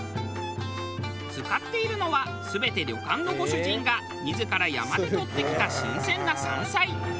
使っているのは全て旅館のご主人が自ら山で採ってきた新鮮な山菜。